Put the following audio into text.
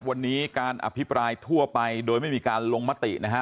วันนี้การอภิปรายทั่วไปโดยไม่มีการลงมตินะฮะ